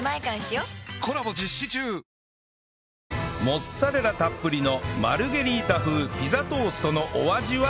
モッツァレラたっぷりのマルゲリータ風ピザトーストのお味は？